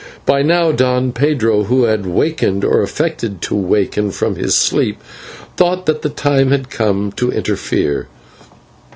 By now, Don Pedro, who had wakened or affected to waken from his sleep, thought that the time had come to interfere.